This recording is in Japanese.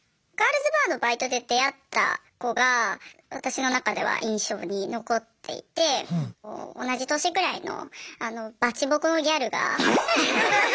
ガールズバーのバイトで出会った子が私の中では印象に残っていて同じ年ぐらいのバチボコのギャルが。